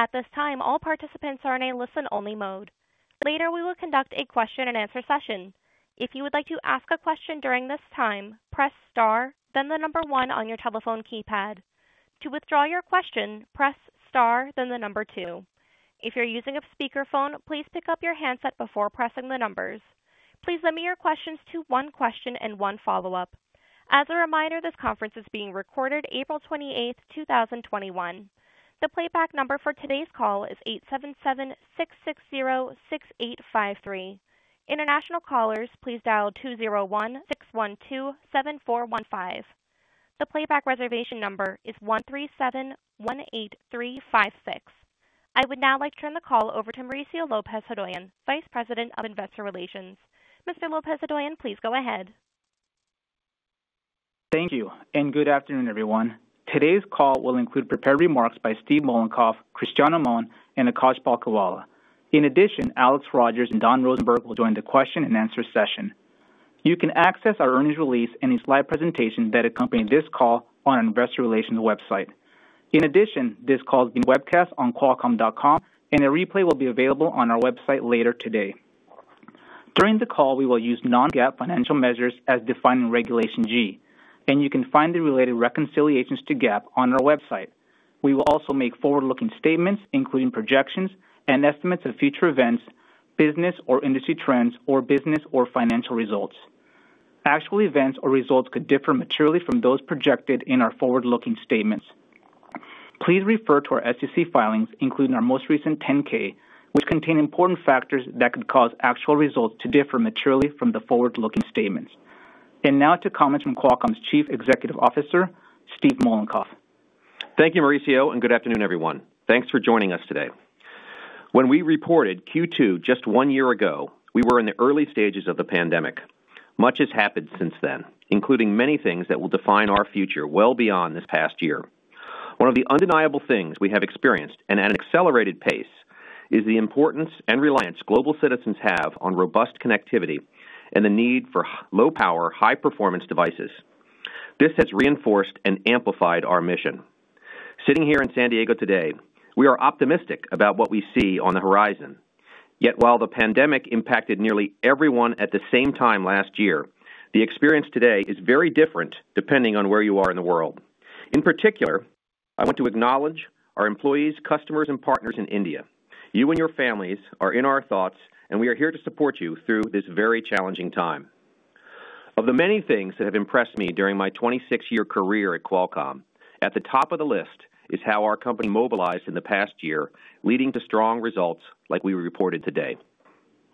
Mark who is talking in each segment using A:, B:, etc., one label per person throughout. A: At this time, all participants are in a listen-only mode. Later, we will conduct a question-and-answer session. If you would like to ask a question during this time, press star, then the number one on your telephone keypad. To withdraw your question, press star, then the number two. If you're using a speakerphone, please pick up your handset before pressing the numbers. Please limit your questions to one question and one follow-up. As a reminder, this conference is being recorded April 28th, 2021. The playback number for today's call is 877-660-6853. International callers, please dial 201-612-7415. The playback reservation number is 137-18356. I would now like to turn the call over to Mauricio Lopez-Hodoyan, Vice President of Investor Relations. Mr. Lopez-Hodoyan, please go ahead.
B: Thank you, good afternoon, everyone. Today's call will include prepared remarks by Steve Mollenkopf, Cristiano Amon, and Akash Palkhiwala. In addition, Alex Rogers and Don Rosenberg will join the question-and-answer session. You can access our earnings release and the slide presentation that accompany this call on our investor relations website. In addition, this call is being webcast on qualcomm.com, and a replay will be available on our website later today. During the call, we will use non-GAAP financial measures as defined in Regulation G, and you can find the related reconciliations to GAAP on our website. We will also make forward-looking statements, including projections and estimates of future events, business or industry trends, or business or financial results. Actual events or results could differ materially from those projected in our forward-looking statements. Please refer to our SEC filings, including our most recent Form 10-K, which contain important factors that could cause actual results to differ materially from the forward-looking statements. Now to comments from Qualcomm's Chief Executive Officer, Steve Mollenkopf.
C: Thank you, Mauricio, and good afternoon, everyone. Thanks for joining us today. When we reported Q2 just one year ago, we were in the early stages of the pandemic. Much has happened since then, including many things that will define our future well beyond this past year. One of the undeniable things we have experienced, and at an accelerated pace, is the importance and reliance global citizens have on robust connectivity and the need for low-power, high-performance devices. This has reinforced and amplified our mission. Sitting here in San Diego today, we are optimistic about what we see on the horizon. While the pandemic impacted nearly everyone at the same time last year, the experience today is very different depending on where you are in the world. In particular, I want to acknowledge our employees, customers, and partners in India. You and your families are in our thoughts, and we are here to support you through this very challenging time. Of the many things that have impressed me during my 26-year career at Qualcomm, at the top of the list is how our company mobilized in the past year, leading to strong results like we reported today.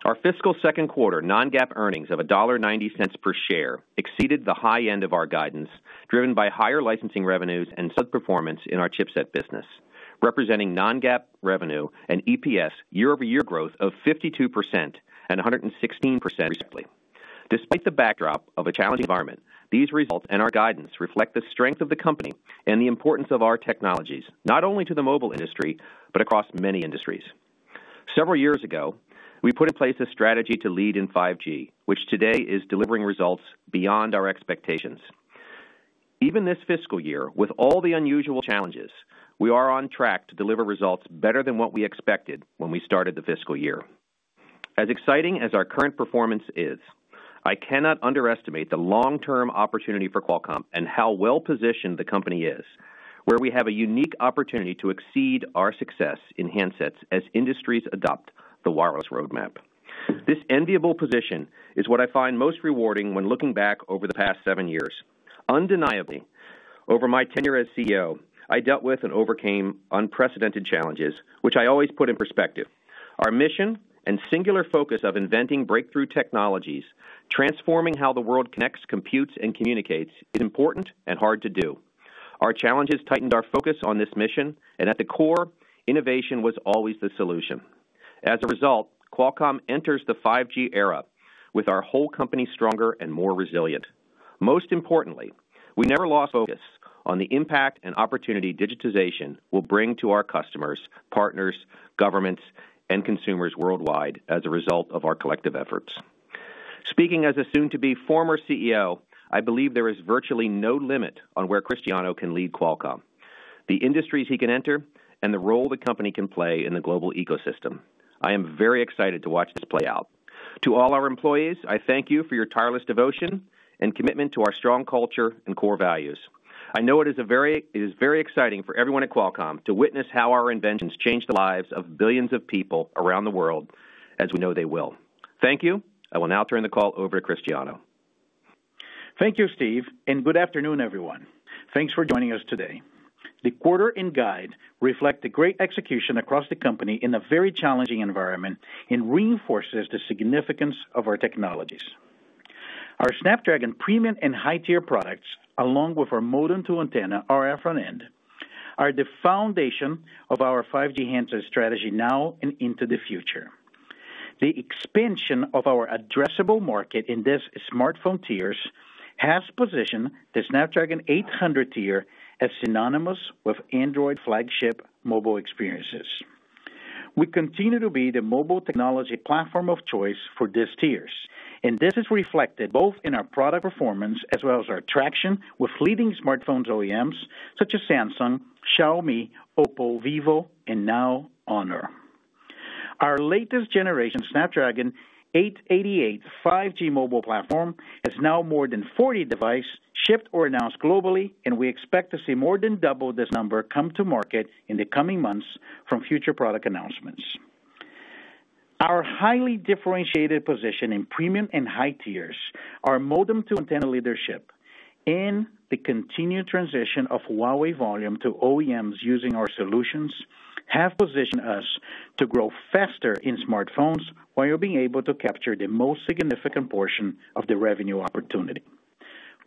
C: Our fiscal second quarter non-GAAP earnings of $1.90 per share exceeded the high end of our guidance, driven by higher licensing revenues and such performance in our chipset business, representing non-GAAP revenue and EPS year-over-year growth of 52% and 116%, respectively. Despite the backdrop of a challenging environment, these results and our guidance reflect the strength of the company and the importance of our technologies, not only to the mobile industry, but across many industries. Several years ago, we put in place a strategy to lead in 5G, which today is delivering results beyond our expectations. Even this fiscal year, with all the unusual challenges, we are on track to deliver results better than what we expected when we started the fiscal year. As exciting as our current performance is, I cannot underestimate the long-term opportunity for Qualcomm and how well-positioned the company is, where we have a unique opportunity to exceed our success in handsets as industries adopt the wireless roadmap. This enviable position is what I find most rewarding when looking back over the past seven years. Undeniably, over my tenure as CEO, I dealt with and overcame unprecedented challenges, which I always put in perspective. Our mission and singular focus of inventing breakthrough technologies, transforming how the world connects, computes, and communicates, is important and hard to do. Our challenges tightened our focus on this mission, and at the core, innovation was always the solution. As a result, Qualcomm enters the 5G era with our whole company stronger and more resilient. Most importantly, we never lost focus on the impact and opportunity digitization will bring to our customers, partners, governments, and consumers worldwide as a result of our collective efforts. Speaking as a soon-to-be former CEO, I believe there is virtually no limit on where Cristiano can lead Qualcomm, the industries he can enter, and the role the company can play in the global ecosystem. I am very excited to watch this play out. To all our employees, I thank you for your tireless devotion and commitment to our strong culture and core values. I know it is very exciting for everyone at Qualcomm to witness how our inventions change the lives of billions of people around the world as we know they will. Thank you. I will now turn the call over to Cristiano.
D: Thank you, Steve. Good afternoon, everyone. Thanks for joining us today. The quarter and guide reflect the great execution across the company in a very challenging environment and reinforces the significance of our technologies. Our Snapdragon premium and high-tier products, along with our modem to antenna RF front-end, are the foundation of our 5G handset strategy now and into the future. The expansion of our addressable market in these smartphone tiers has positioned the Snapdragon 800 tier as synonymous with Android flagship mobile experiences. We continue to be the mobile technology platform of choice for these tiers, and this is reflected both in our product performance as well as our traction with leading smartphones OEMs such as Samsung, Xiaomi, OPPO, vivo, and now HONOR. Our latest generation Snapdragon 888 5G mobile platform has now more than 40 devices shipped or announced globally, and we expect to see more than double this number come to market in the coming months from future product announcements. Our highly differentiated position in premium and high tiers, our modem to antenna leadership, and the continued transition of Huawei volume to OEMs using our solutions, have positioned us to grow faster in smartphones while being able to capture the most significant portion of the revenue opportunity.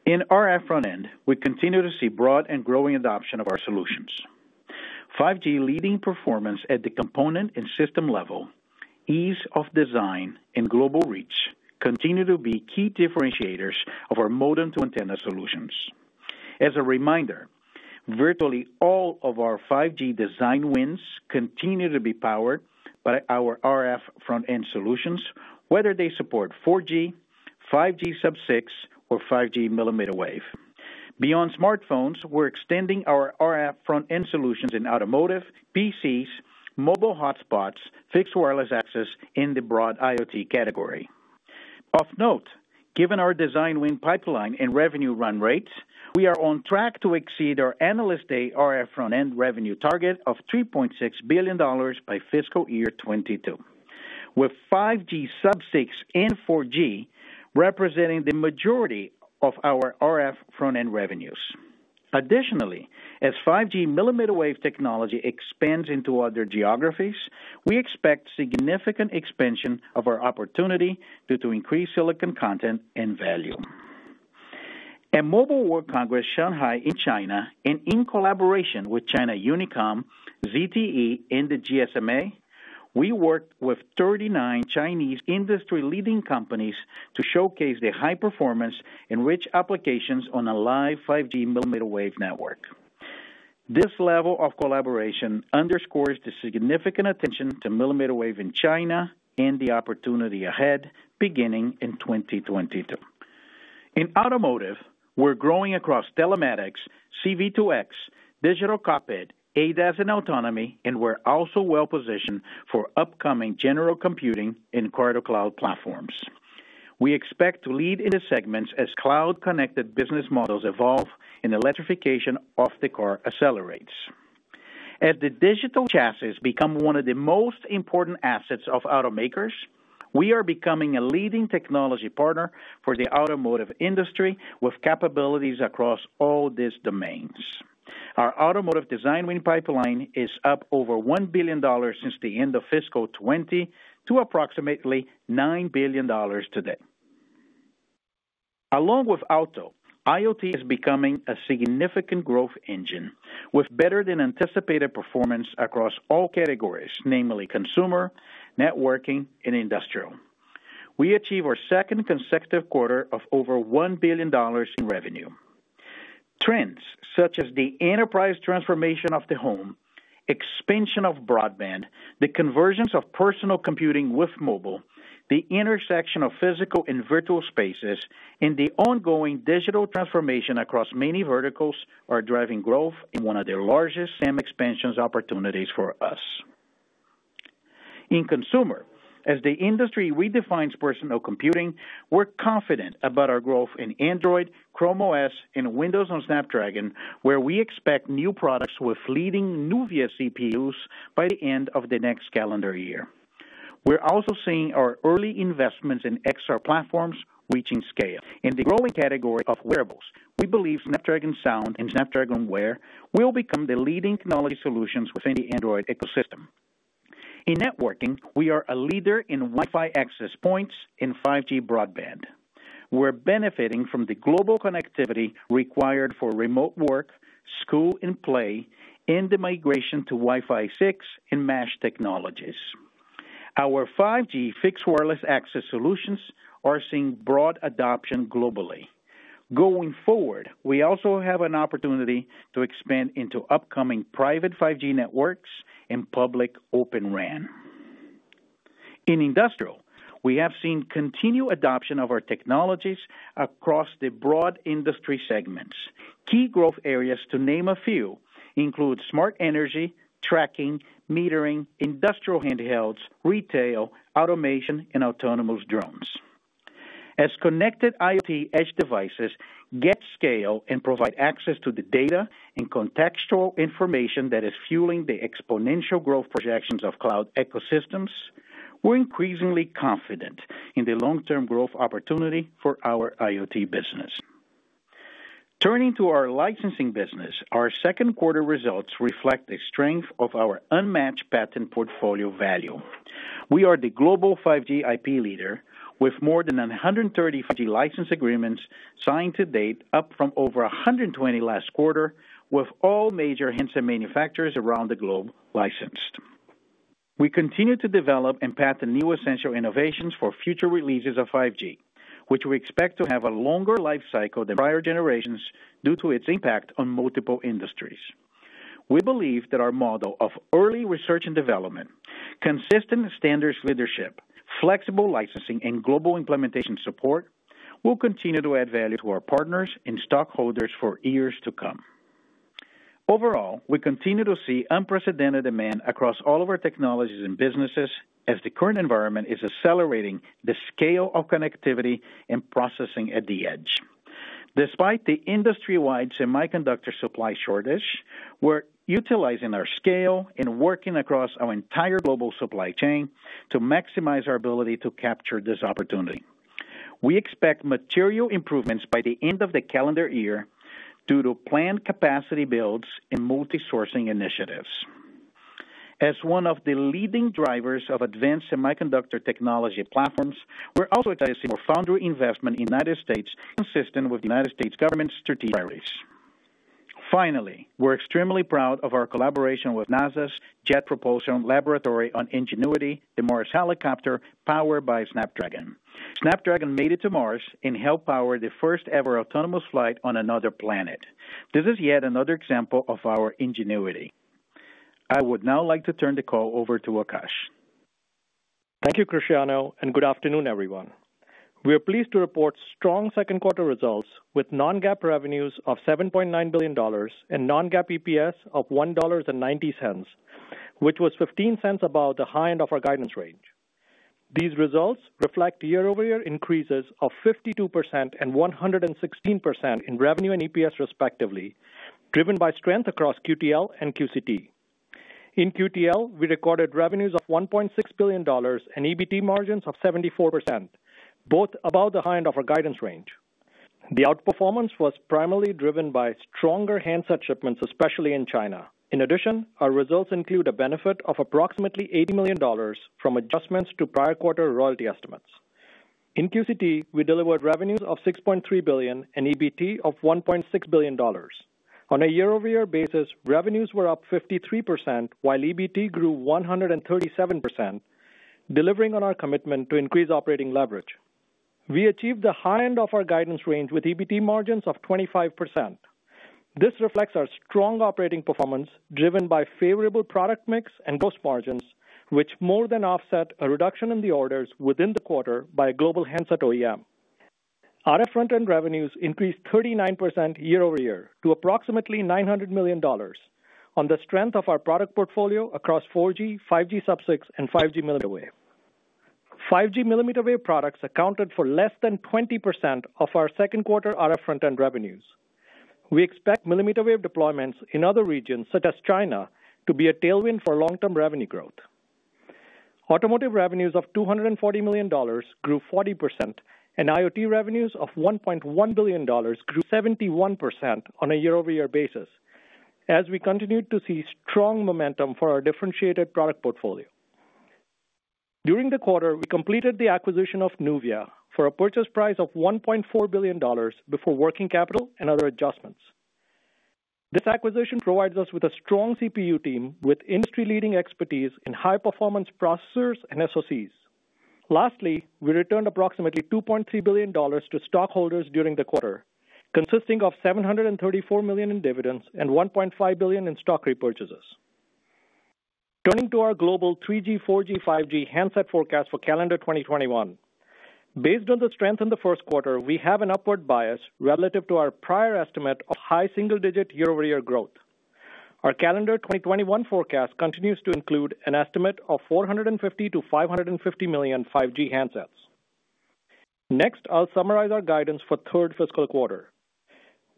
D: In RF front-end, we continue to see broad and growing adoption of our solutions. 5G leading performance at the component and system level, ease of design, and global reach continue to be key differentiators of our modem to antenna solutions. As a reminder, virtually all of our 5G design wins continue to be powered by our RF front-end solutions, whether they support 4G, 5G Sub-6, or 5G mmWave. Beyond smartphones, we're extending our RF front-end solutions in automotive, PCs, mobile hotspots, fixed wireless access in the broad IoT category. Of note, given our design win pipeline and revenue run rates, we are on track to exceed our Analyst Day RF front-end revenue target of $3.6 billion by fiscal year 2022, with 5G Sub-6 and 4G representing the majority of our RF front-end revenues. Additionally, as 5G mmWave technology expands into other geographies, we expect significant expansion of our opportunity due to increased silicon content and value. At Mobile World Congress Shanghai in China and in collaboration with China Unicom, ZTE, and the GSMA, we worked with 39 Chinese industry-leading companies to showcase the high performance and rich applications on a live 5G mmWave network. This level of collaboration underscores the significant attention to mmWave in China and the opportunity ahead beginning in 2022. In automotive, we're growing across telematics, C-V2X, digital cockpit, ADAS, and autonomy, and we're also well-positioned for upcoming general computing and car-to-cloud platforms. We expect to lead in the segments as cloud-connected business models evolve and electrification of the car accelerates. As the Digital Chassis become one of the most important assets of automakers, we are becoming a leading technology partner for the automotive industry with capabilities across all these domains. Our automotive design win pipeline is up over $1 billion since the end of fiscal 2020 to approximately $9 billion today. Along with auto, IoT is becoming a significant growth engine with better-than-anticipated performance across all categories, namely consumer, networking, and industrial. We achieve our second consecutive quarter of over $1 billion in revenue. Trends such as the enterprise transformation of the home, expansion of broadband, the convergence of personal computing with mobile, the intersection of physical and virtual spaces, and the ongoing digital transformation across many verticals are driving growth in one of the largest SAM expansion opportunities for us. In consumer, as the industry redefines personal computing, we're confident about our growth in Android, Chrome OS, and Windows on Snapdragon, where we expect new products with leading NUVIA CPUs by the end of the next calendar year. We're also seeing our early investments in XR platforms reaching scale. In the growing category of wearables, we believe Snapdragon Sound and Snapdragon Wear will become the leading technology solutions within the Android ecosystem. In networking, we are a leader in Wi-Fi access points and 5G broadband. We're benefiting from the global connectivity required for remote work, school, and play, and the migration to Wi-Fi 6 and mesh technologies. Our 5G fixed wireless access solutions are seeing broad adoption globally. Going forward, we also have an opportunity to expand into upcoming private 5G networks and public Open RAN. In industrial, we have seen continued adoption of our technologies across the broad industry segments. Key growth areas, to name a few, include smart energy, tracking, metering, industrial handhelds, retail, automation, and autonomous drones. As connected IoT edge devices get scale and provide access to the data and contextual information that is fueling the exponential growth projections of cloud ecosystems, we're increasingly confident in the long-term growth opportunity for our IoT business. Turning to our licensing business, our second quarter results reflect the strength of our unmatched patent portfolio value. We are the global 5G IP leader with more than 130 5G license agreements signed to date, up from over 120 last quarter, with all major handset manufacturers around the globe licensed. We continue to develop and patent new essential innovations for future releases of 5G, which we expect to have a longer life cycle than prior generations due to its impact on multiple industries. We believe that our model of early research and development, consistent standards leadership, flexible licensing, and global implementation support will continue to add value to our partners and stockholders for years to come. Overall, we continue to see unprecedented demand across all of our technologies and businesses as the current environment is accelerating the scale of connectivity and processing at the edge. Despite the industry-wide semiconductor supply shortage, we're utilizing our scale and working across our entire global supply chain to maximize our ability to capture this opportunity. We expect material improvements by the end of the calendar year due to planned capacity builds and multi-sourcing initiatives. As one of the leading drivers of advanced semiconductor technology platforms, we're also excited to see more foundry investment in the U.S. consistent with the U.S. government's strategic priorities. Finally, we're extremely proud of our collaboration with NASA's Jet Propulsion Laboratory on Ingenuity, the Mars helicopter powered by Snapdragon. Snapdragon made it to Mars and helped power the first-ever autonomous flight on another planet. This is yet another example of our ingenuity. I would now like to turn the call over to Akash.
E: Thank you, Cristiano, good afternoon, everyone. We are pleased to report strong second quarter results with non-GAAP revenues of $7.9 billion and non-GAAP EPS of $1.90, which was $0.15 above the high end of our guidance range. These results reflect year-over-year increases of 52% and 116% in revenue and EPS, respectively, driven by strength across QTL and QCT. In QTL, we recorded revenues of $1.6 billion and EBT margins of 74%, both above the high end of our guidance range. The outperformance was primarily driven by stronger handset shipments, especially in China. In addition, our results include a benefit of approximately $80 million from adjustments to prior quarter royalty estimates. In QCT, we delivered revenues of $6.3 billion and EBT of $1.6 billion. On a year-over-year basis, revenues were up 53%, while EBT grew 137%, delivering on our commitment to increase operating leverage. We achieved the high end of our guidance range with EBT margins of 25%. This reflects our strong operating performance, driven by favorable product mix and gross margins, which more more than offset a reduction in the orders within the quarter by a global handset OEM. RF front-end revenues increased 39% year-over-year to approximately $900 million on the strength of our product portfolio across 4G, 5G Sub-6, and 5G millimeter wave. 5G millimeter wave products accounted for less than 20% of our second quarter RF front-end revenues. We expect millimeter wave deployments in other regions, such as China, to be a tailwind for long-term revenue growth. Automotive revenues of $240 million grew 40%, and IoT revenues of $1.1 billion grew 71% on a year-over-year basis as we continued to see strong momentum for our differentiated product portfolio. During the quarter, we completed the acquisition of NUVIA for a purchase price of $1.4 billion before working capital and other adjustments. This acquisition provides us with a strong CPU team with industry-leading expertise in high-performance processors and SoCs. Lastly, we returned approximately $2.3 billion to stockholders during the quarter, consisting of $734 million in dividends and $1.5 billion in stock repurchases. Turning to our global 3G, 4G, 5G handset forecast for calendar 2021. Based on the strength in the first quarter, we have an upward bias relative to our prior estimate of high single-digit year-over-year growth. Our calendar 2021 forecast continues to include an estimate of 450 million to 550 million 5G handsets. Next, I'll summarize our guidance for third fiscal quarter.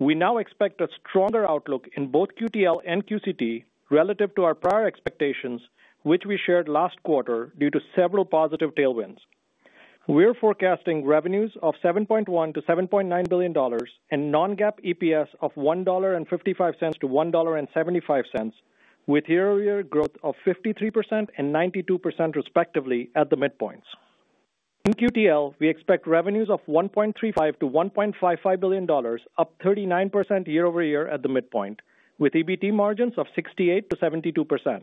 E: We now expect a stronger outlook in both QTL and QCT relative to our prior expectations, which we shared last quarter due to several positive tailwinds. We are forecasting revenues of $7.1 billion to $7.9 billion and non-GAAP EPS of $1.55 to $1.75, with year-over-year growth of 53% and 92% respectively at the midpoints. In QTL, we expect revenues of $1.35 billion to $1.55 billion, up 39% year-over-year at the midpoint, with EBT margins of 68% to 72%.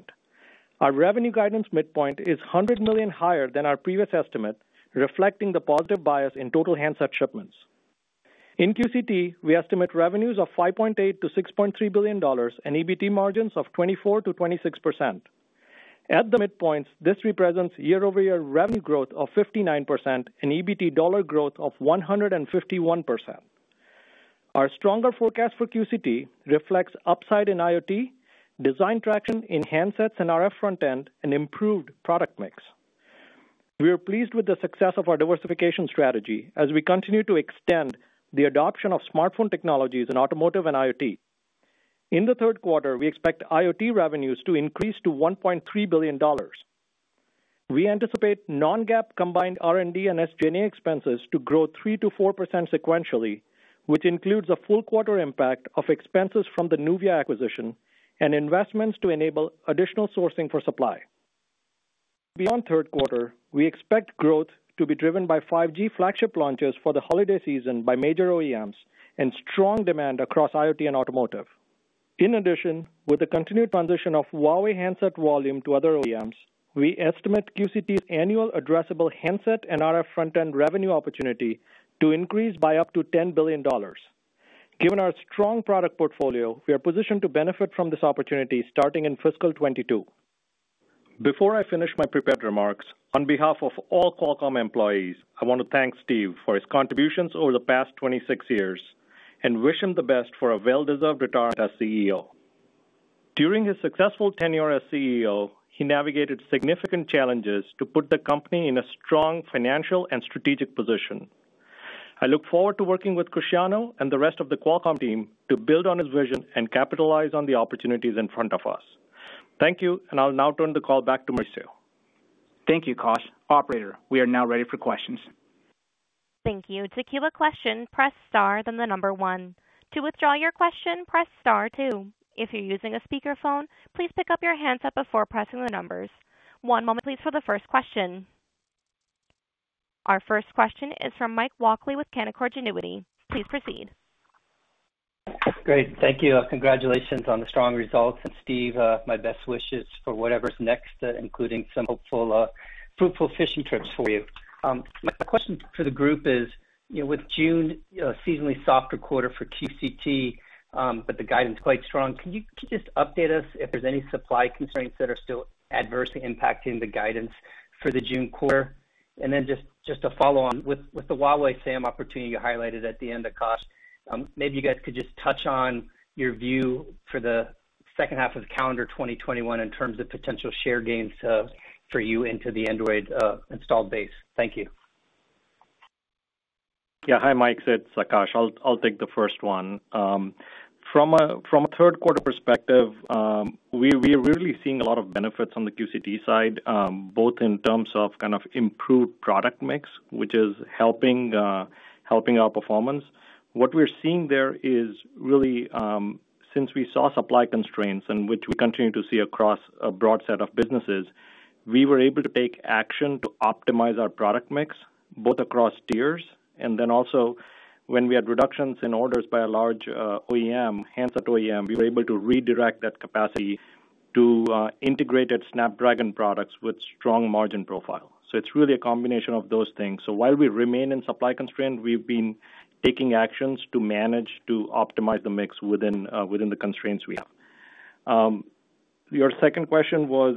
E: Our revenue guidance midpoint is $100 million higher than our previous estimate, reflecting the positive bias in total handset shipments. In QCT, we estimate revenues of $5.8 billion to $6.3 billion and EBT margins of 24% to 26%. At the midpoints, this represents year-over-year revenue growth of 59% and EBT dollar growth of 151%. Our stronger forecast for QCT reflects upside in IoT, design traction in handsets and RF front-end, and improved product mix. We are pleased with the success of our diversification strategy as we continue to extend the adoption of smartphone technologies in automotive and IoT. In the third quarter, we expect IoT revenues to increase to $1.3 billion. We anticipate non-GAAP combined R&D and SG&A expenses to grow 3%-4% sequentially, which includes a full quarter impact of expenses from the NUVIA acquisition and investments to enable additional sourcing for supply. Beyond third quarter, we expect growth to be driven by 5G flagship launches for the holiday season by major OEMs and strong demand across IoT and automotive. With the continued transition of Huawei handset volume to other OEMs, we estimate QCT's annual addressable handset and RF front-end revenue opportunity to increase by up to $10 billion. Given our strong product portfolio, we are positioned to benefit from this opportunity starting in fiscal 2022. Before I finish my prepared remarks, on behalf of all Qualcomm employees, I want to thank Steve for his contributions over the past 26 years and wish him the best for a well-deserved retirement as CEO. During his successful tenure as CEO, he navigated significant challenges to put the company in a strong financial and strategic position. I look forward to working with Cristiano and the rest of the Qualcomm team to build on his vision and capitalize on the opportunities in front of us. Thank you, and I'll now turn the call back to Mauricio Lopez-Hodoyan.
B: Thank you, Akash. Operator, we are now ready for questions.
A: Thank you. To give a question press star, then the number one. To withdraw your question, press star two. If you are using a speakerphone, please pick-up your handset before pressing the numbers. One moment please, as pause for questions. Our first question is from Mike Walkley with Canaccord Genuity. Please proceed.
F: Great. Thank you. Congratulations on the strong results, Steve, my best wishes for whatever's next, including some hopeful fruitful fishing trips for you. My question for the group is, with June a seasonally softer quarter for QCT, but the guidance quite strong, can you just update us if there's any supply constraints that are still adversely impacting the guidance for the June quarter? Then just to follow on, with the Huawei SAM opportunity you highlighted at the end, Akash, maybe you guys could just touch on your view for the second half of calendar 2021 in terms of potential share gains for you into the Android installed base. Thank you.
E: Hi, Mike, it's Akash. I'll take the first one. From a third quarter perspective, we are really seeing a lot of benefits on the QCT side, both in terms of improved product mix, which is helping our performance. What we're seeing there is really, since we saw supply constraints, and which we continue to see across a broad set of businesses, we were able to take action to optimize our product mix, both across tiers And then also when we had reductions in orders by a large handset OEM, we were able to redirect that capacity to integrated Snapdragon products with strong margin profile. It's really a combination of those things. While we remain in supply constraint, we've been taking actions to manage to optimize the mix within the constraints we have. Your second question was.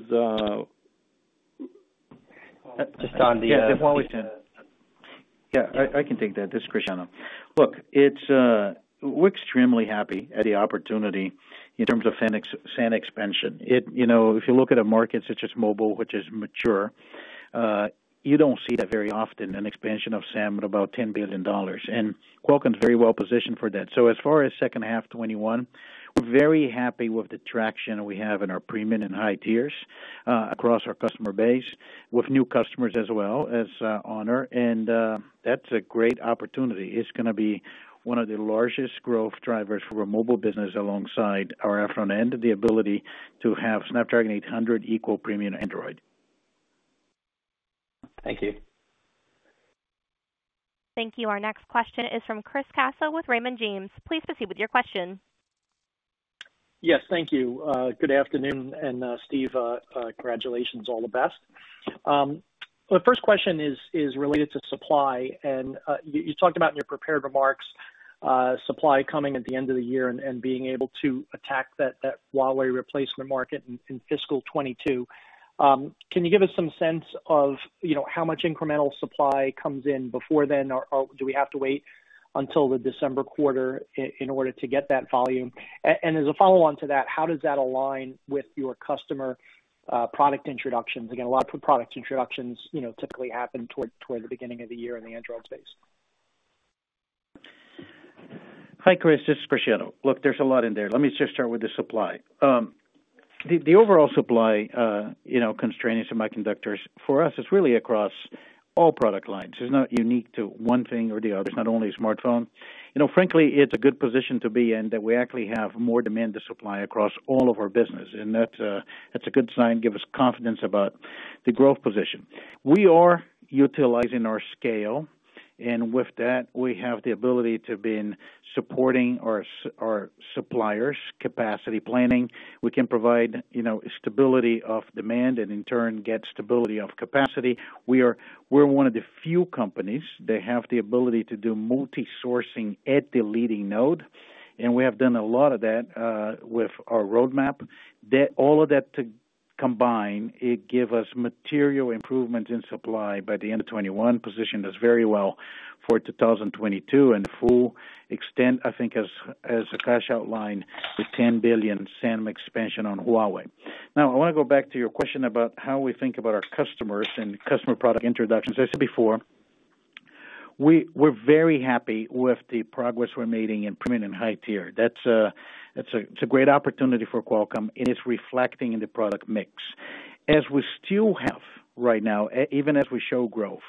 B: Just on the Huawei side.
D: Yeah, I can take that. This is Cristiano. Look, we're extremely happy at the opportunity in terms of SAM expansion. If you look at a market such as mobile, which is mature, you don't see that very often, an expansion of SAM at about $10 billion, and Qualcomm is very well positioned for that. As far as second half 2021, we're very happy with the traction we have in our premium and high tiers across our customer base with new customers as well as HONOR, and that's a great opportunity. It's going to be one of the largest growth drivers for our mobile business alongside our front end, the ability to have Snapdragon 800 equal premium Android.
F: Thank you.
A: Thank you. Our next question is from Chris Caso with Raymond James. Please proceed with your question.
G: Yes, thank you. Good afternoon. Steve, congratulations, all the best. The first question is related to supply. You talked about in your prepared remarks, supply coming at the end of the year and being able to attack that Huawei replacement market in fiscal 2022. Can you give us some sense of how much incremental supply comes in before then, or do we have to wait until the December quarter in order to get that volume? As a follow-on to that, how does that align with your customer product introductions? Again, a lot of product introductions typically happen towards the beginning of the year in the Android space.
D: Hi, Chris. This is Cristiano. Look, there's a lot in there. Let me just start with the supply. The overall supply, constraints in semiconductors for us, it's really across all product lines. It's not unique to one thing or the other. It's not only a smartphone. Frankly, it's a good position to be in that we actually have more demand to supply across all of our business. That's a good sign, give us confidence about the growth position. We are utilizing our scale. With that, we have the ability to being supporting our suppliers' capacity planning. We can provide stability of demand and in turn, get stability of capacity. We're one of the few companies that have the ability to do multi-sourcing at the leading node. We have done a lot of that with our roadmap. All of that combined, it gives us material improvement in supply by the end of 2021, position us very well for 2022, and full extent, I think as Akash outlined, the $10 billion SAM expansion on Huawei. I want to go back to your question about how we think about our customers and customer product introductions. As I said before, we're very happy with the progress we're making in premium and high tier. That's a great opportunity for Qualcomm, and it's reflecting in the product mix. As we still have right now, even as we show growth,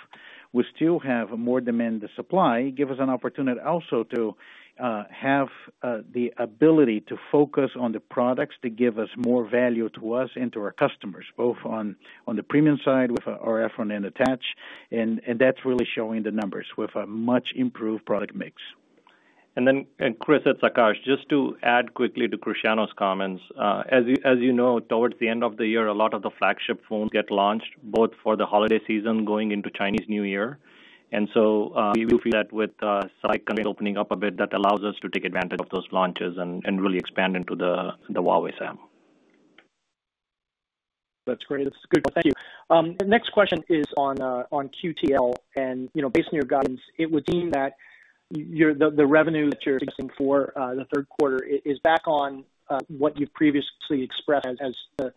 D: we still have more demand to supply, give us an opportunity also to have the ability to focus on the products that give us more value to us and to our customers, both on the premium side with our front-end attach, and that's really showing the numbers with a much improved product mix.
E: Chris, it's Akash, just to add quickly to Cristiano's comments. As you know, towards the end of the year, a lot of the flagship phones get launched, both for the holiday season going into Chinese New Year. We will see that with supply constraints opening up a bit, that allows us to take advantage of those launches and really expand into the Huawei SAM.
G: That's great. That's good. Thank you. The next question is on QTL. Based on your guidance, it would seem that the revenue that you're suggesting for the third quarter is back on what you've previously expressed as the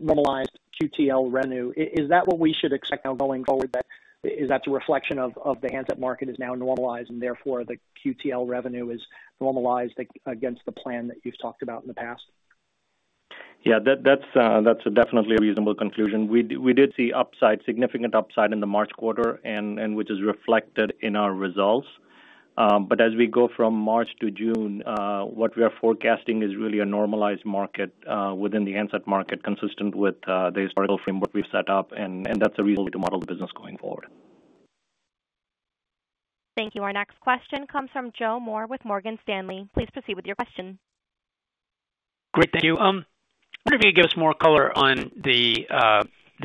G: normalized QTL revenue. Is that what we should expect now going forward? That is a reflection of the handset market is now normalized and therefore the QTL revenue is normalized against the plan that you've talked about in the past?
E: Yeah, that's definitely a reasonable conclusion. We did see significant upside in the March quarter, and which is reflected in our results. As we go from March to June, what we are forecasting is really a normalized market within the handset market, consistent with the historical framework we've set up, and that's a reasonable way to model the business going forward.
A: Thank you. Our next question comes from Joe Moore with Morgan Stanley. Please proceed with your question.
H: Great. Thank you. I wonder if you could give us more color on the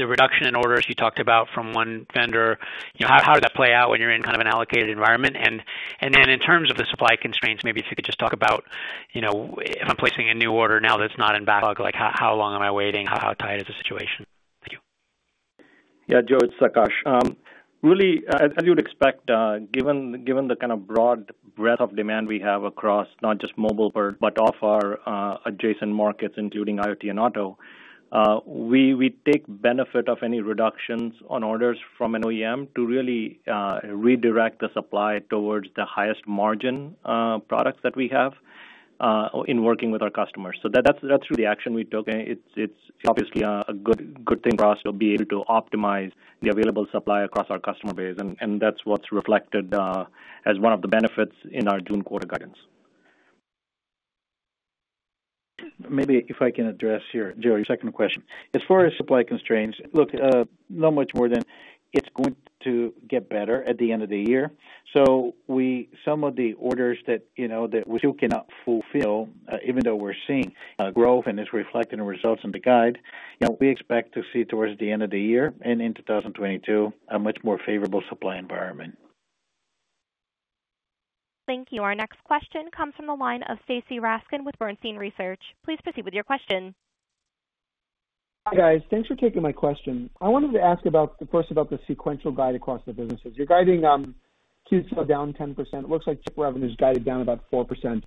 H: reduction in orders you talked about from one vendor. How does that play out when you're in kind of an allocated environment? In terms of the supply constraints, maybe if you could just talk about, if I'm placing a new order now that's not in backlog, how long am I waiting? How tight is the situation? Thank you.
E: Yeah. Joe, it's Akash. Really, as you would expect, given the kind of broad breadth of demand we have across not just mobile, but of our adjacent markets, including IoT and auto, we take benefit of any reductions on orders from an OEM to really redirect the supply towards the highest margin products that we have in working with our customers. That's really the action we've taken. It's obviously a good thing for us to be able to optimize the available supply across our customer base, and that's what's reflected as one of the benefits in our June quarter guidance.
D: Maybe if I can address here, Joe, your second question. As far as supply constraints, look, not much more than it's going to get better at the end of the year. Some of the orders that we still cannot fulfill, even though we're seeing growth and it's reflected in results in the guide, we expect to see towards the end of the year and in 2022, a much more favorable supply environment.
A: Thank you. Our next question comes from the line of Stacy Rasgon with Bernstein Research. Please proceed with your question.
I: Hi, guys. Thanks for taking my question. I wanted to ask, of course, about the sequential guide across the businesses. You're guiding QTL down 10%. It looks like chip revenue is guided down about 4%.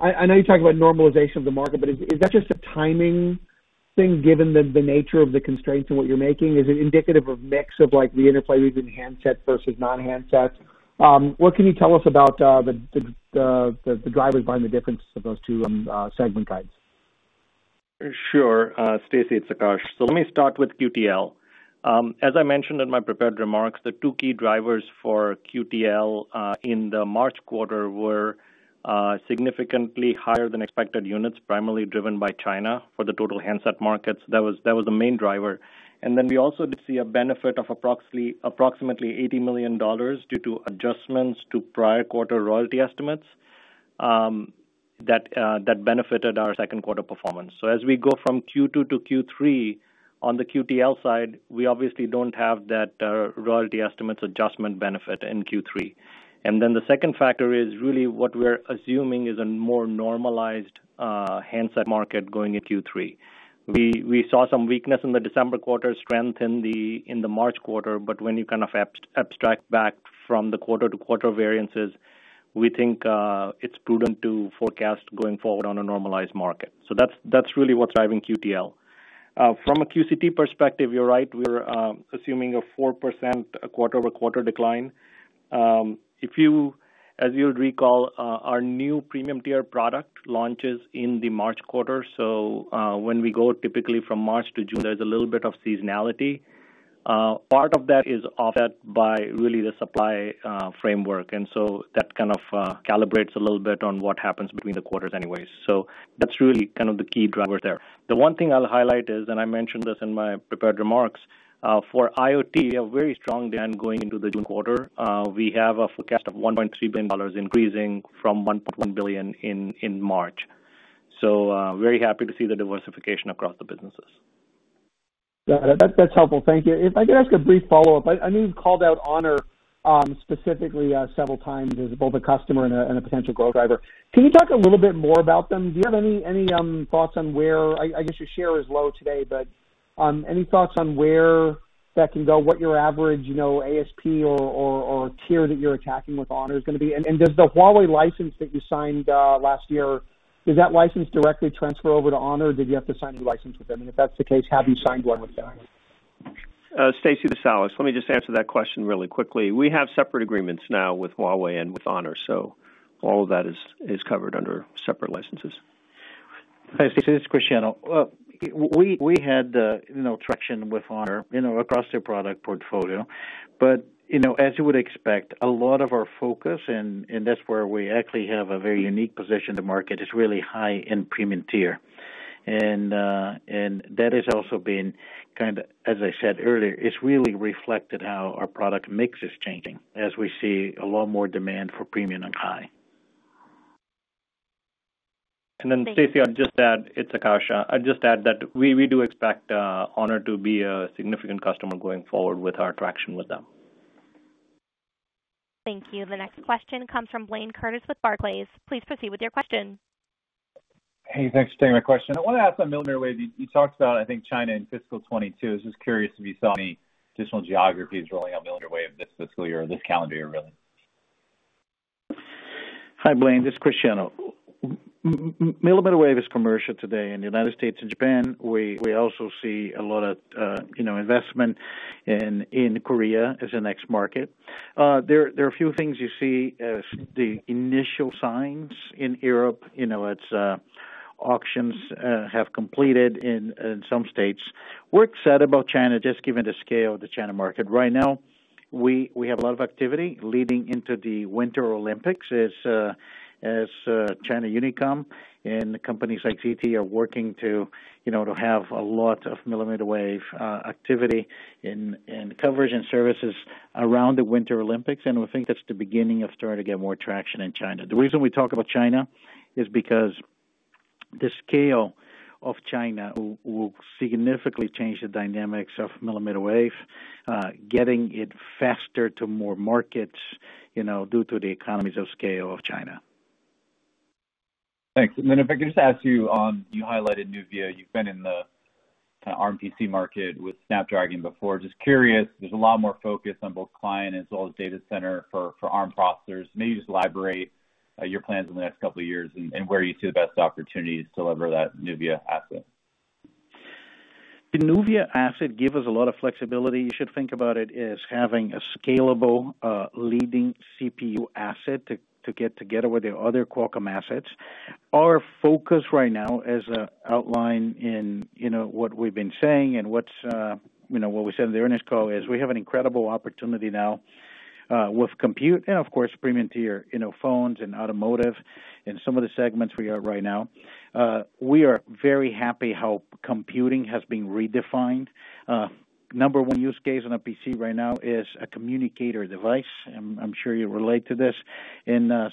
I: I know you talked about normalization of the market, but is that just a timing thing given the nature of the constraints and what you're making? Is it indicative of mix of the interplay between handset versus non-handset? What can you tell us about the drivers behind the difference of those two segment guides?
E: Sure. Stacy, it's Akash. Let me start with QTL. As I mentioned in my prepared remarks, the two key drivers for QTL in the March quarter were significantly higher than expected units, primarily driven by China for the total handset markets. That was the main driver. Then we also did see a benefit of approximately $80 million due to adjustments to prior quarter royalty estimates that benefited our second quarter performance. As we go from Q2 to Q3, on the QTL side, we obviously don't have that royalty estimates adjustment benefit in Q3. Then the second factor is really what we're assuming is a more normalized handset market going into Q3. We saw some weakness in the December quarter, strength in the March quarter. When you kind of abstract back from the quarter-to-quarter variances, we think it's prudent to forecast going forward on a normalized market. That's really what's driving QTL. From a QCT perspective, you're right. We're assuming a 4% quarter-over-quarter decline. As you recall, our new premium tier product launches in the March quarter, so when we go typically from March to June, there's a little bit of seasonality. Part of that is offset by really the supply framework, and so that kind of calibrates a little bit on what happens between the quarters anyway. That's really kind of the key drivers there. The one thing I'll highlight is, and I mentioned this in my prepared remarks, for IoT, we have very strong demand going into the June quarter. We have a forecast of $1.3 billion increasing from $1.1 billion in March. Very happy to see the diversification across the businesses.
I: Got it. That's helpful. Thank you. If I could ask a brief follow-up. I know you've called out HONOR specifically several times as both a customer and a potential growth driver. Can you talk a little bit more about them? Do you have any thoughts on where I guess your share is low today, but any thoughts on where that can go, what your average ASP or tier that you're attacking with HONOR is going to be? Does the Huawei license that you signed last year, does that license directly transfer over to HONOR, or did you have to sign a new license with them? If that's the case, have you signed one with them?
J: Stacy, it is Alex. Let me just answer that question really quickly. We have separate agreements now with Huawei and with HONOR, so all of that is covered under separate licenses.
D: Stacy, it's Cristiano. We had traction with HONOR across their product portfolio. As you would expect, a lot of our focus, and that's where we actually have a very unique position in the market, is really high-end premium tier. That has also been, as I said earlier, it's really reflected how our product mix is changing as we see a lot more demand for premium and high.
E: Stacy, I'd just add, it's Akash. I'd just add that we do expect HONOR to be a significant customer going forward with our traction with them.
A: Thank you. The next question comes from Blayne Curtis with Barclays. Please proceed with your question.
K: Hey, thanks for taking my question. I want to ask on millimeter wave, you talked about, I think, China in fiscal 2022. I was just curious if you saw any additional geographies rolling out millimeter wave this fiscal year or this calendar year, really.
D: Hi, Blayne, this is Cristiano. Millimeter wave is commercial today in the U.S. and Japan. We also see a lot of investment in Korea as the next market. There are a few things you see as the initial signs in Europe. Its auctions have completed in some states. We're excited about China, just given the scale of the China market. Right now, we have a lot of activity leading into the Winter Olympics as China Unicom and companies like ZTE are working to have a lot of millimeter wave activity and coverage and services around the Winter Olympics. We think that's the beginning of starting to get more traction in China. The reason we talk about China is because the scale of China will significantly change the dynamics of millimeter wave, getting it faster to more markets, due to the economies of scale of China.
K: Thanks. If I could just ask you highlighted NUVIA, you've been in the ARM PC market with Snapdragon before. Just curious, there's a lot more focus on both client as well as data center for ARM processors. Maybe just elaborate your plans in the next couple of years and where you see the best opportunities to lever that NUVIA asset.
D: The NUVIA asset give us a lot of flexibility. You should think about it as having a scalable, leading CPU asset to get together with the other Qualcomm assets. Our focus right now, as outlined in what we've been saying and what we said in the earnings call, is we have an incredible opportunity now with compute and, of course, premium tier phones and automotive and some of the segments we are right now. We are very happy how computing has been redefined. Number one use case on a PC right now is a communicator device. I'm sure you relate to this.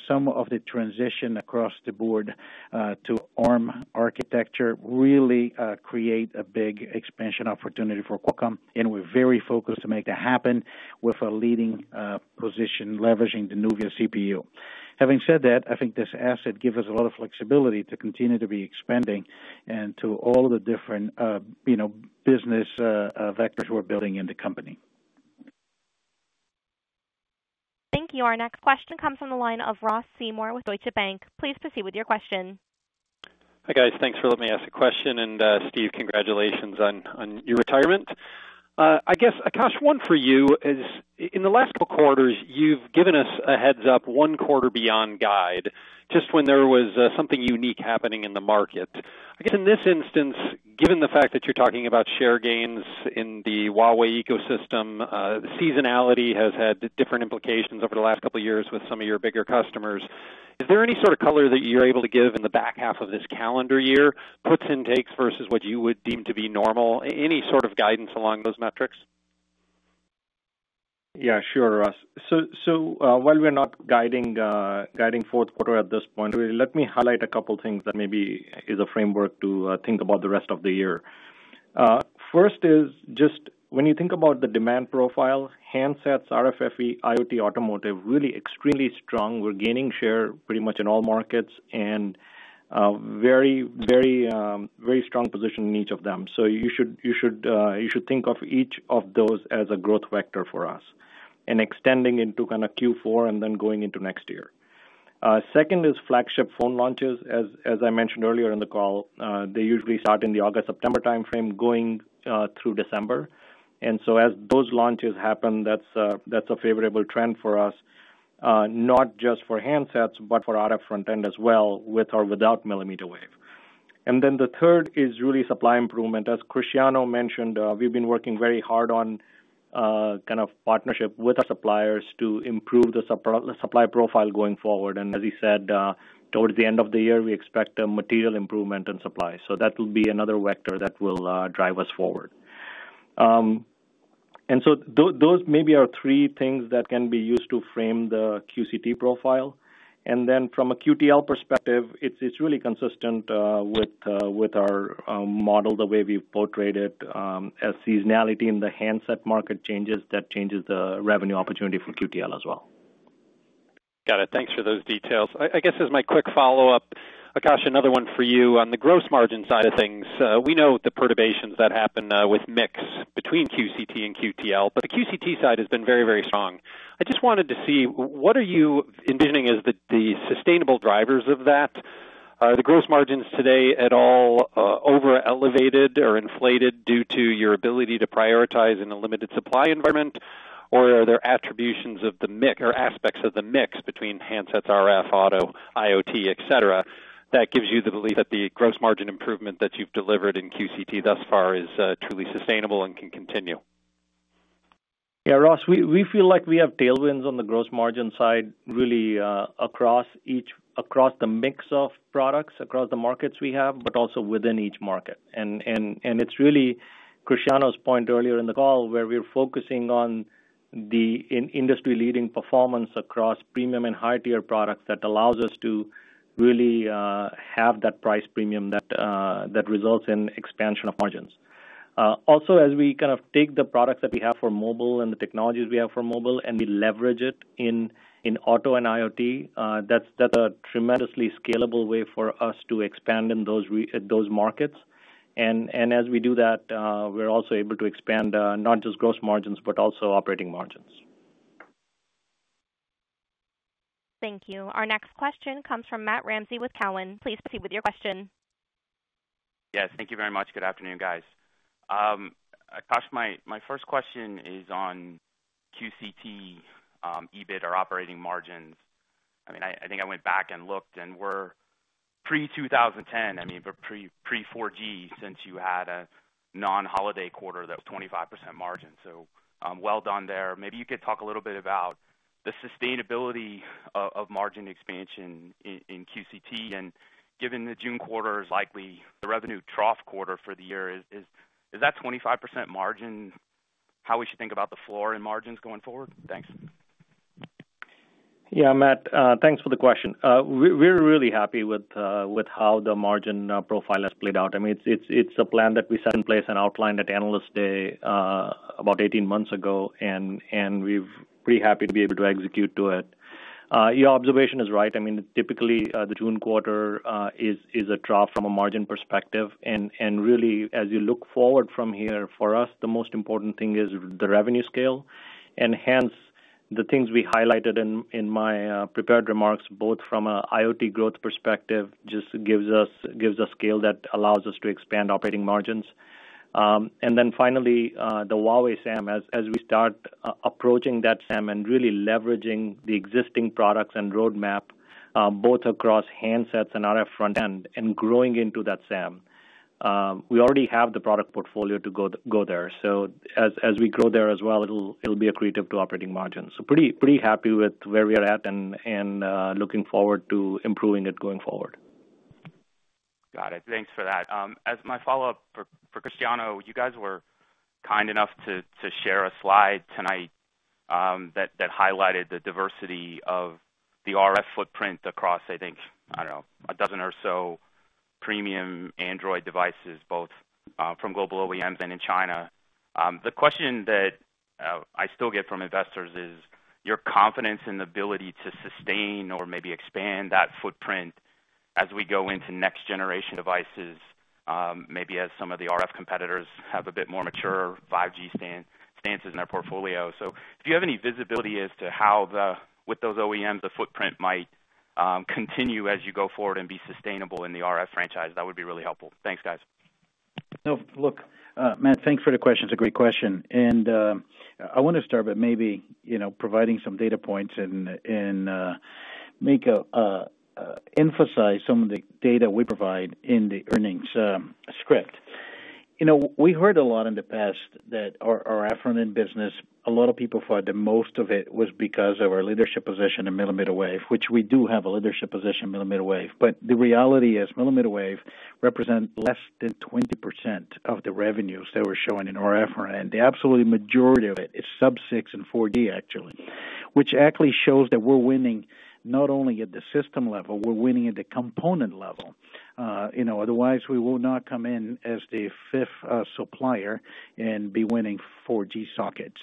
D: Some of the transition across the board to ARM architecture really create a big expansion opportunity for Qualcomm, and we're very focused to make that happen with a leading position leveraging the NUVIA CPU. Having said that, I think this asset gives us a lot of flexibility to continue to be expanding and to all the different business vectors we're building in the company.
A: Thank you. Our next question comes from the line of Ross Seymore with Deutsche Bank. Please proceed with your question.
L: Hi, guys. Thanks for letting me ask a question. Steve, congratulations on your retirement. I guess, Akash, one for you is, in the last couple of quarters, you've given us a heads-up one quarter beyond guide, just when there was something unique happening in the market. I guess in this instance, given the fact that you're talking about share gains in the Huawei ecosystem, seasonality has had different implications over the last couple of years with some of your bigger customers. Is there any sort of color that you're able to give in the back half of this calendar year, puts and takes versus what you would deem to be normal? Any sort of guidance along those metrics?
E: Yeah, sure, Ross. While we're not guiding fourth quarter at this point, let me highlight a couple things that maybe is a framework to think about the rest of the year. First is just when you think about the demand profile, handsets, RFFE, IoT, automotive, really extremely strong. We're gaining share pretty much in all markets and very strong position in each of them. You should think of each of those as a growth vector for us and extending into Q4 and then going into next year. Second is flagship phone launches. As I mentioned earlier in the call, they usually start in the August-September timeframe going through December. As those launches happen, that's a favorable trend for us, not just for handsets, but for RF front-end as well, with or without millimeter wave. The third is really supply improvement. As Cristiano mentioned, we've been working very hard on partnership with our suppliers to improve the supply profile going forward. As he said, towards the end of the year, we expect a material improvement in supply. That will be another vector that will drive us forward. Those maybe are three things that can be used to frame the QCT profile. From a QTL perspective, it's really consistent with our model the way we've portrayed it. As seasonality in the handset market changes, that changes the revenue opportunity for QTL as well.
L: Got it. Thanks for those details. I guess as my quick follow-up, Akash, another one for you. On the gross margin side of things, we know the perturbations that happen with mix between QCT and QTL, but the QCT side has been very strong. I just wanted to see, what are you envisioning as the sustainable drivers of that? Are the gross margins today at all over-elevated or inflated due to your ability to prioritize in a limited supply environment? Are there attributions of the mix or aspects of the mix between handsets, RF, auto, IoT, et cetera, that gives you the belief that the gross margin improvement that you've delivered in QCT thus far is truly sustainable and can continue?
E: Ross, we feel like we have tailwinds on the gross margin side, really across the mix of products, across the markets we have, also within each market. It's really Cristiano's point earlier in the call where we're focusing on the industry-leading performance across premium and high-tier products that allows us to really have that price premium that results in expansion of margins. Also, as we take the products that we have for mobile and the technologies we have for mobile, and we leverage it in auto and IoT, that's a tremendously scalable way for us to expand in those markets. As we do that, we're also able to expand, not just gross margins, but also operating margins.
A: Thank you. Our next question comes from Matt Ramsay with Cowen. Please proceed with your question.
M: Yes, thank you very much. Good afternoon, guys. Akash, my first question is on QCT EBIT or operating margins. I think I went back and looked, and we're pre-2010, pre-4G, since you had a non-holiday quarter that was 25% margin. Well done there. Maybe you could talk a little bit about the sustainability of margin expansion in QCT and given the June quarter is likely the revenue trough quarter for the year, is that 25% margin how we should think about the floor in margins going forward? Thanks.
E: Yeah, Matt, thanks for the question. We're really happy with how the margin profile has played out. It's a plan that we set in place and outlined at Analyst Day about 18 months ago. We're pretty happy to be able to execute to it. Your observation is right. Typically, the June quarter is a trough from a margin perspective. Really, as you look forward from here, for us, the most important thing is the revenue scale. Hence, the things we highlighted in my prepared remarks, both from a IoT growth perspective, just gives a scale that allows us to expand operating margins. Then finally, the Huawei SAM, as we start approaching that SAM and really leveraging the existing products and roadmap, both across handsets and RF front-end, and growing into that SAM. We already have the product portfolio to go there. As we grow there as well, it'll be accretive to operating margins. Pretty happy with where we are at and looking forward to improving it going forward.
M: Got it. Thanks for that. As my follow-up for Cristiano, you guys were kind enough to share a slide tonight that highlighted the diversity of the RF footprint across, I think, a dozen or so premium Android devices, both from global OEMs and in China. The question that I still get from investors is your confidence in the ability to sustain or maybe expand that footprint as we go into next-generation devices, maybe as some of the RF competitors have a bit more mature 5G stances in their portfolio. If you have any visibility as to how with those OEMs, the footprint might continue as you go forward and be sustainable in the RF franchise, that would be really helpful. Thanks, guys.
D: Look, Matt, thanks for the question. It's a great question. I want to start by maybe providing some data points and emphasize some of the data we provide in the earnings script. We heard a lot in the past that our RF front-end business, a lot of people thought that most of it was because of our leadership position in millimeter wave, which we do have a leadership position in millimeter wave. The reality is, millimeter wave represents less than 20% of the revenues that we're showing in RF front-end. The absolute majority of it is 5G Sub-6 and 4G, actually. Which actually shows that we're winning not only at the system level, we're winning at the component level. Otherwise, we will not come in as the fifth supplier and be winning 4G sockets.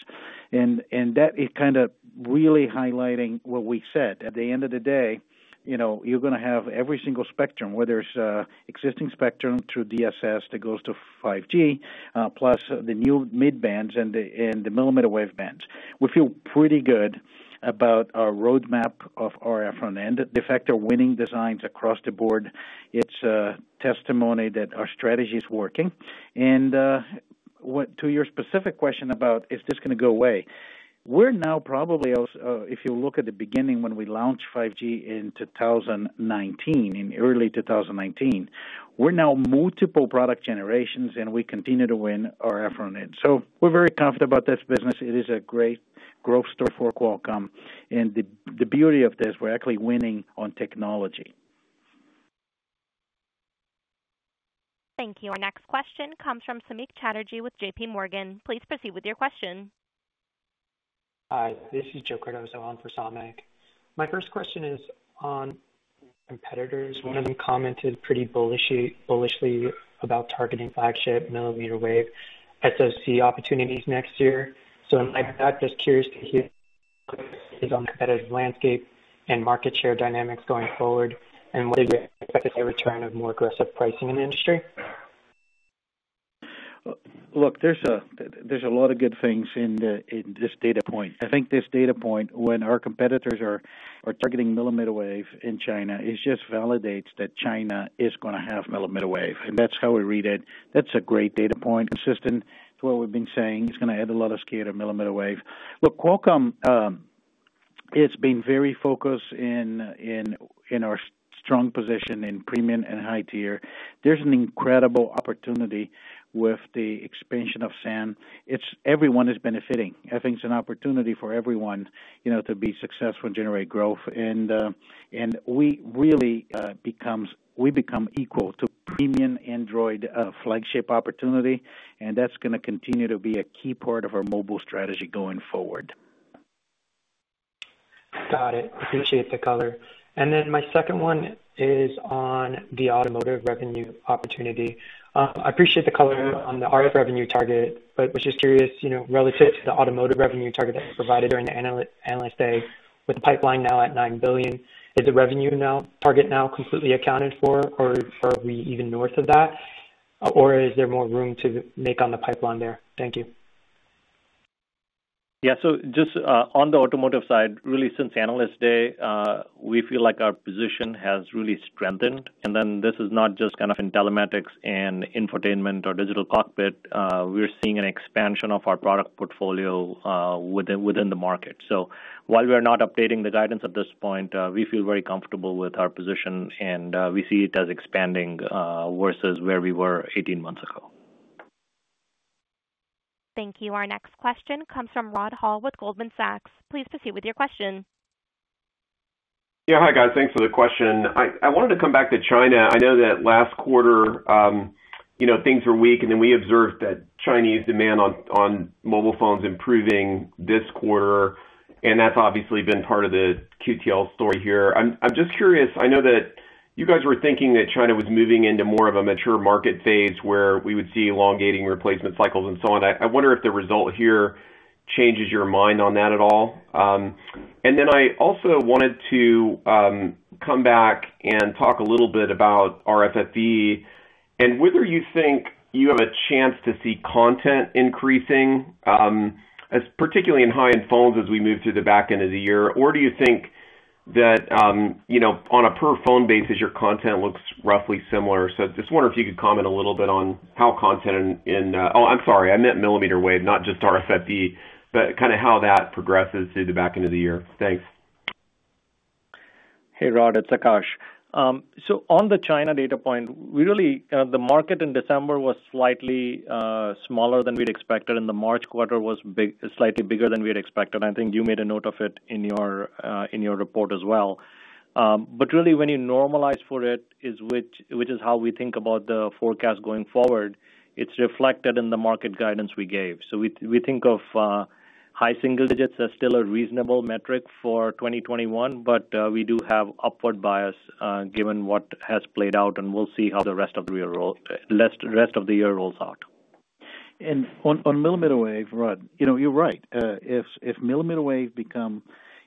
D: That is really highlighting what we said. At the end of the day, you're going to have every single spectrum, whether it's existing spectrum through DSS that goes to 5G, plus the new mid bands and the millimeter wave bands. We feel pretty good about our roadmap of RF front-end. The fact they're winning designs across the board, it's a testimony that our strategy is working. To your specific question about, is this going to go away? We're now probably, if you look at the beginning, when we launched 5G in 2019, in early 2019, we're now multiple product generations, and we continue to win RF front-end. We're very confident about this business. It is a great growth story for Qualcomm, and the beauty of this, we're actually winning on technology.
A: Thank you. Our next question comes from Samik Chatterjee with JPMorgan. Please proceed with your question.
N: Hi, this is Joe Cardoso on for Samik. My first question is on competitors. One of them commented pretty bullishly about targeting flagship mmWave SoC opportunities next year. I'm just curious to hear your take on the competitive landscape and market share dynamics going forward, and whether you expect to see a return of more aggressive pricing in the industry.
D: Look, there's a lot of good things in this data point. I think this data point, when our competitors are targeting millimeter wave in China, it just validates that China is going to have millimeter wave, and that's how we read it. That's a great data point, consistent to what we've been saying. It's going to add a lot of scale to millimeter wave. Look, Qualcomm. It's been very focused in our strong position in premium and high tier. There's an incredible opportunity with the expansion of SAM. Everyone is benefiting. I think it's an opportunity for everyone to be successful and generate growth. We become equal to premium Android flagship opportunity, and that's going to continue to be a key part of our mobile strategy going forward.
N: Got it. Appreciate the color. My second one is on the automotive revenue opportunity. I appreciate the color on the RF revenue target, but was just curious, relative to the automotive revenue target that you provided during the Analyst Day, with the pipeline now at $9 billion, is the revenue target now completely accounted for, or are we even north of that? Is there more room to make on the pipeline there? Thank you.
E: Yeah. Just on the automotive side, really, since Analyst Day, we feel like our position has really strengthened. This is not just in telematics and infotainment or digital cockpit, we're seeing an expansion of our product portfolio within the market. While we are not updating the guidance at this point, we feel very comfortable with our position, and we see it as expanding versus where we were 18 months ago.
A: Thank you. Our next question comes from Rod Hall with Goldman Sachs. Please proceed with your question.
O: Yeah. Hi, guys. Thanks for the question. I wanted to come back to China. I know that last quarter things were weak, and then we observed that Chinese demand on mobile phones improving this quarter, and that's obviously been part of the QTL story here. I'm just curious, I know that you guys were thinking that China was moving into more of a mature market phase where we would see elongating replacement cycles and so on. I wonder if the result here changes your mind on that at all. I also wanted to come back and talk a little bit about RFFE and whether you think you have a chance to see content increasing, particularly in high-end phones as we move to the back end of the year. Do you think that on a per phone basis, your content looks roughly similar? I just wonder if you could comment a little bit on. Oh, I'm sorry. I meant millimeter wave, not just RFFE, but kind of how that progresses through the back end of the year. Thanks.
E: Hey, Rod, it's Akash. On the China data point, really, the market in December was slightly smaller than we'd expected, and the March quarter was slightly bigger than we had expected. I think you made a note of it in your report as well. Really, when you normalize for it, which is how we think about the forecast going forward, it's reflected in the market guidance we gave. We think of high single digits as still a reasonable metric for 2021, but we do have upward bias, given what has played out, and we'll see how the rest of the year rolls out. On millimeter wave, Rod, you're right. If millimeter wave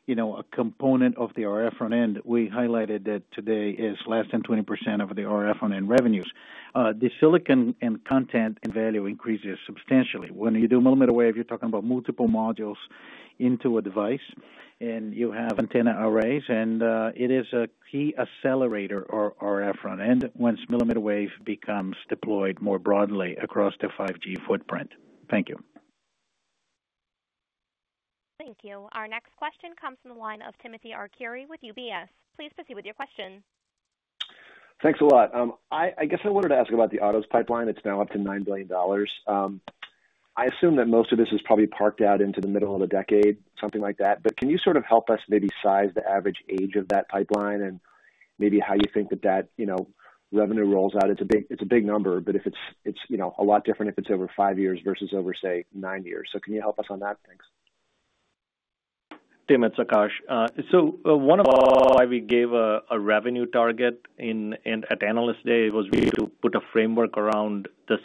E: become a component of the RF front-end, we highlighted that today is less than 20% of the RF front-end revenues. The silicon and content and value increases substantially. When you do millimeter wave, you're talking about multiple modules into a device, and you have antenna arrays, and it is a key accelerator RF front-end once millimeter wave becomes deployed more broadly across the 5G footprint. Thank you.
A: Thank you. Our next question comes from the line of Timothy Arcuri with UBS. Please proceed with your question.
P: Thanks a lot. I guess I wanted to ask about the autos pipeline. It's now up to $9 billion. I assume that most of this is probably parked out into the middle of the decade, something like that. Can you sort of help us maybe size the average age of that pipeline and maybe how you think that that revenue rolls out? It's a big number, but it's a lot different if it's over five years versus over, say, nine years. Can you help us on that? Thanks.
E: Tim, it's Akash. One of the why we gave a revenue target at Analyst Day was really to put a framework around the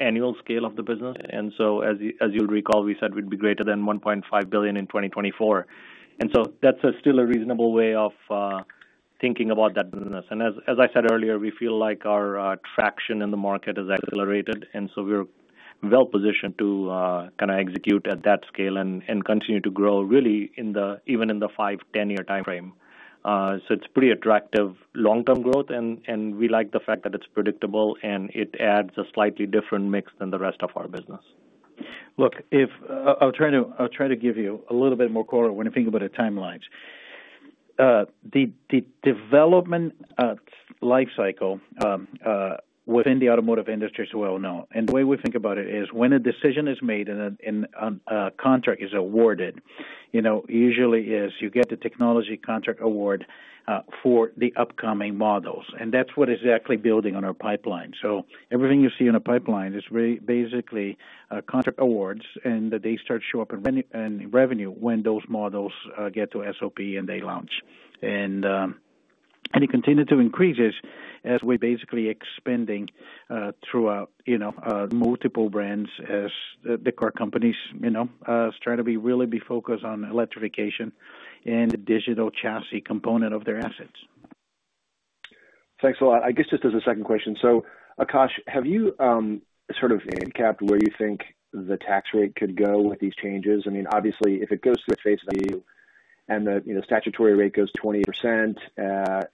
E: annual scale of the business. As you'll recall, we said we'd be greater than $1.5 billion in 2024. That's still a reasonable way of thinking about that business. As I said earlier, we feel like our traction in the market has accelerated, and so we're well-positioned to execute at that scale and continue to grow really even in the five, 10 year timeframe. It's pretty attractive long-term growth, and we like the fact that it's predictable, and it adds a slightly different mix than the rest of our business.
D: I'll try to give you a little bit more color when you think about the timelines. The development life cycle within the automotive industry is well-known, and the way we think about it is when a decision is made and a contract is awarded, usually is you get the technology contract award for the upcoming models.
E: That's what exactly building on our pipeline. Everything you see in a pipeline is basically contract awards, and they start to show up in revenue when those models get to SOP and they launch. It continued to increase as we're basically expanding throughout multiple brands as the car companies start to really be focused on electrification and the Digital Chassis component of their assets.
P: Thanks a lot. I guess just as a second question. Akash, have you sort of capped where you think the tax rate could go with these changes? Obviously, if it goes to the face value and the statutory rate goes to 28%,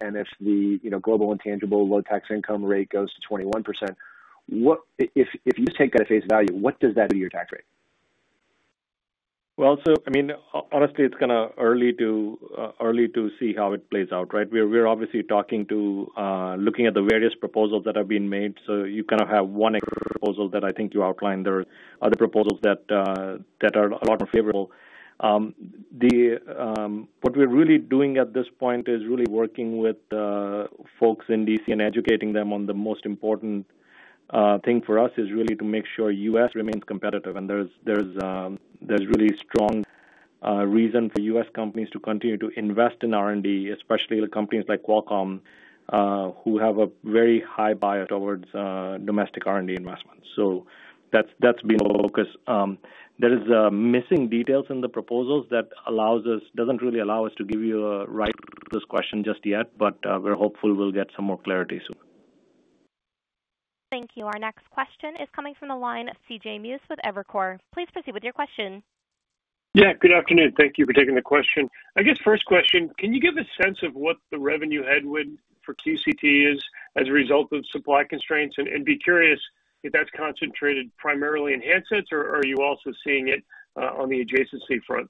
P: and if the Global Intangible Low-Taxed Income rate goes to 21%. If you just take that at face value, what does that do to your tax rate?
E: Honestly, it's kind of early to see how it plays out, right? We're obviously looking at the various proposals that have been made. You kind of have one proposal that I think you outlined. There are other proposals that are a lot more favorable. What we're really doing at this point is really working with folks in D.C. and educating them on the most important thing for us is really to make sure U.S. remains competitive. There's really strong reason for U.S. companies to continue to invest in R&D, especially the companies like Qualcomm, who have a very high bias towards domestic R&D investments. That's been our focus. There is missing details in the proposals that doesn't really allow us to give you a right answer to this question just yet, but we're hopeful we'll get some more clarity soon.
A: Thank you. Our next question is coming from the line of C.J. Muse with Evercore. Please proceed with your question.
Q: Yeah, good afternoon. Thank you for taking the question. I guess first question, can you give a sense of what the revenue headwind for QCT is as a result of supply constraints and be curious if that's concentrated primarily in handsets or are you also seeing it on the adjacency front?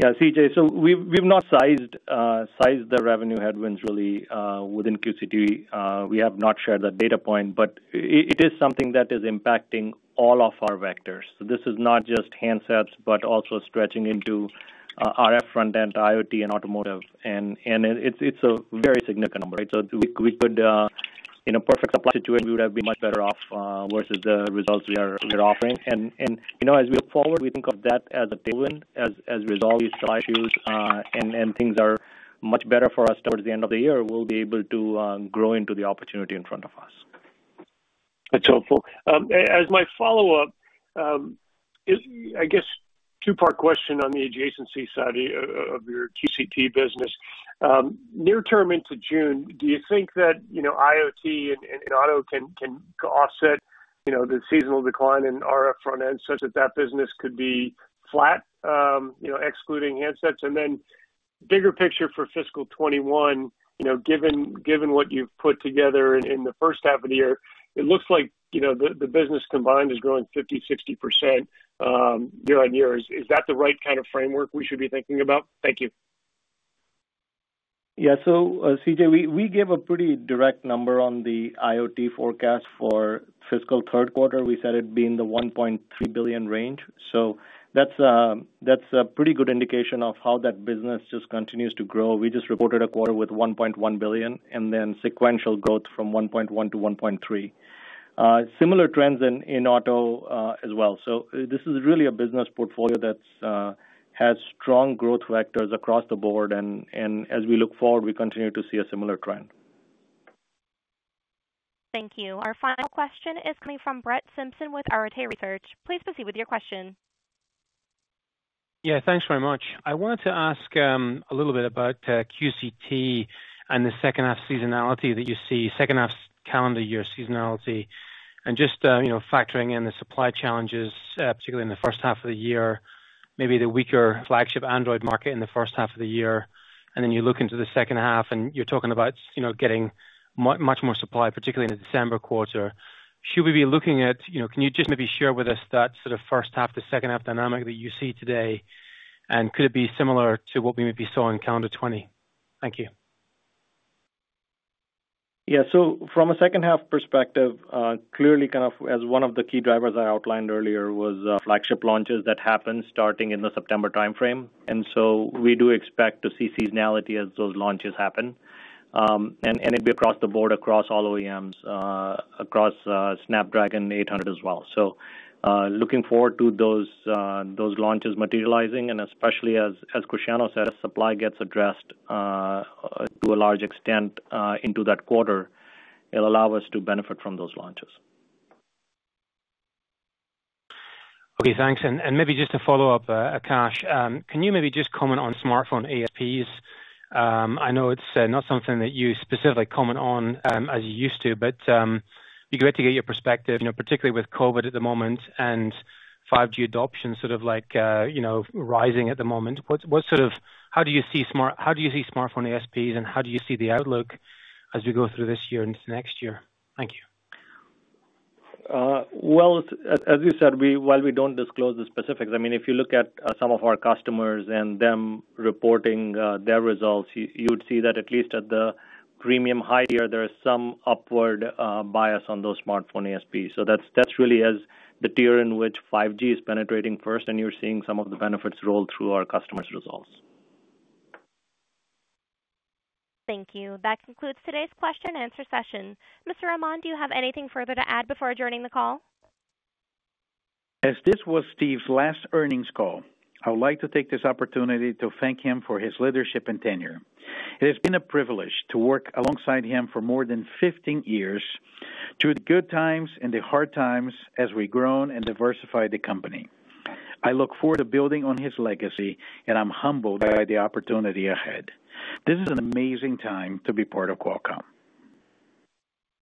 E: Yeah, C.J. We've not sized the revenue headwinds really within QCT. We have not shared that data point. It is something that is impacting all of our vectors. This is not just handsets, but also stretching into RF front-end, IoT, and automotive. It's a very significant number, right? We could, in a perfect supply situation, we would have been much better off, versus the results we are offering. As we look forward, we think of that as a tailwind, as we resolve these supply issues, and things are much better for us towards the end of the year, we'll be able to grow into the opportunity in front of us.
Q: That's helpful. As my follow-up, I guess two-part question on the adjacency side of your QCT business. Near term into June, do you think that IoT and auto can offset the seasonal decline in RF front-end such that that business could be flat, excluding handsets. Bigger picture for fiscal 2021, given what you've put together in the first half of the year, it looks like the business combined is growing 50% to 60% year-over-year. Is that the right kind of framework we should be thinking about? Thank you.
E: Yeah. C.J., we gave a pretty direct number on the IoT forecast for fiscal third quarter. We said it'd be in the $1.3 billion range. That's a pretty good indication of how that business just continues to grow. We just reported a quarter with $1.1 billion and then sequential growth from $1.1 billion to $1.3 billion. Similar trends in auto, as well. This is really a business portfolio that has strong growth vectors across the board and as we look forward, we continue to see a similar trend.
A: Thank you. Our final question is coming from Brett Simpson with Arete Research. Please proceed with your question.
R: Yeah. Thanks very much. I wanted to ask a little bit about QCT and the second half seasonality that you see, second half calendar year seasonality, and just factoring in the supply challenges, particularly in the first half of the year, maybe the weaker flagship Android market in the first half of the year. You look into the second half and you're talking about getting much more supply, particularly in the December quarter. Can you just maybe share with us that sort of first half to second half dynamic that you see today, and could it be similar to what we maybe saw in calendar 2020? Thank you.
E: From a second half perspective, clearly as one of the key drivers I outlined earlier was flagship launches that happen starting in the September timeframe. We do expect to see seasonality as those launches happen. It'd be across the board, across all OEMs, across Snapdragon 800 as well. Looking forward to those launches materializing and especially as Cristiano said, as supply gets addressed, to a large extent, into that quarter, it'll allow us to benefit from those launches.
R: Okay, thanks. Maybe just to follow up, Akash, can you maybe just comment on smartphone ASPs? I know it's not something that you specifically comment on, as you used to, but it'd be great to get your perspective, particularly with COVID at the moment and 5G adoption sort of rising at the moment. How do you see smartphone ASPs and how do you see the outlook as we go through this year and into next year? Thank you.
E: Well, as you said, while we don't disclose the specifics, if you look at some of our customers and them reporting their results, you would see that at least at the premium high tier, there is some upward bias on those smartphone ASPs. That's really as the tier in which 5G is penetrating first, and you're seeing some of the benefits roll through our customers' results.
A: Thank you. That concludes today's question and answer session. Mr. Amon, do you have anything further to add before adjourning the call?
D: As this was Steve's last earnings call, I would like to take this opportunity to thank him for his leadership and tenure. It has been a privilege to work alongside him for more than 15 years, through the good times and the hard times, as we've grown and diversified the company. I look forward to building on his legacy, and I'm humbled by the opportunity ahead. This is an amazing time to be part of Qualcomm.